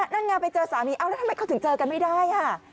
นั่งงานไปเจอสามีแล้วทำไมเขาถึงเจอกันไม่ได้